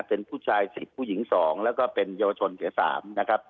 เป็นผู้ชาย๑๐ผู้หญิง๒แล้วก็เป็นเยาวชนเสีย๓นะครับ